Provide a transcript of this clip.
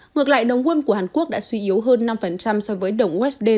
ngược lại đồng won của hàn quốc đã suy yếu hơn năm so với đồng usd tỷ lệ